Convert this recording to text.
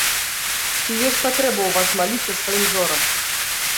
Ці ёсць патрэба ў вас маліцца сваім зорам?